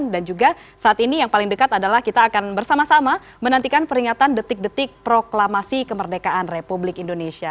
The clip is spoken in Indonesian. dan juga saat ini yang paling dekat adalah kita akan bersama sama menantikan peringatan detik detik proklamasi kemerdekaan republik indonesia